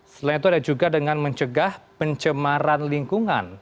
selain itu ada juga dengan mencegah pencemaran lingkungan